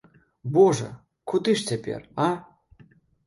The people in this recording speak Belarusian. Божа, куды ж цяпер, а?!